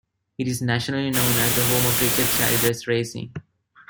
It is nationally known as the home of Richard Childress Racing.